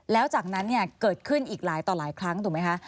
แล้วจากนั้นเนี่ยเกิดขึ้นอีกหลายต่อหลายครั้งถูกไหมคะ